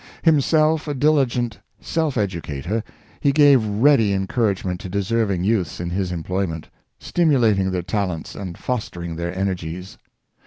Himself a diligent self educator, he gave ready encour agement to deserving youths in his employment, stim ulating their talents and fostering their energies.